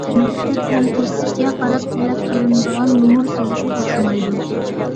مەكتەپ ھەم كەسىپكە قاراپ تەلەپ قىلىنىدىغان نومۇر سىزىقى ئوخشىمايدۇ.